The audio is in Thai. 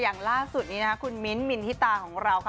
อย่างล่าสุดนี้นะคะคุณมิ้นท์มินทิตาของเราค่ะ